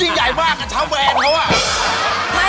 ยิ่งใหญ่มากกระเช้าแบรนด์เค้าอ่ะ